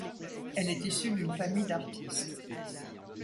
Elle est issue d'une famille d'artistes.